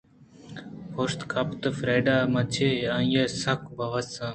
پشت کپت فریڈا من چہ آئی ءَسک بے وساں